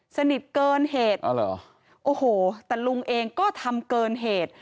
สนิทเกินเหตุอ๋อเหรอโอ้โหแต่ลุงเองก็ทำเกินเหตุ